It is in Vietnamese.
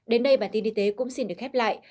đến đây bản tin y tế cũng xin được khép lại